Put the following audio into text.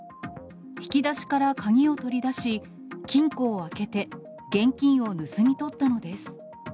引き出しから鍵を取り出し、金庫を開けて、現金を盗み取ったのです。